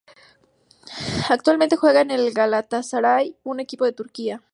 Actualmente, juega en el Galatasaray, un equipo de Turquía.